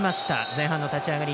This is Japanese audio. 前半の立ち上がり。